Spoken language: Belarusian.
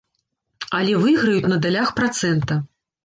Але выйграюць на далях працэнта.